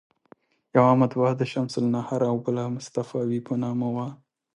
یوه مطبعه د شمس النهار او بله مصطفاوي په نامه وه.